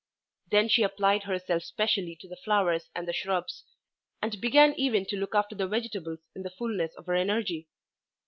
Then she applied herself specially to the flowers and the shrubs, and began even to look after the vegetables in the fulness of her energy.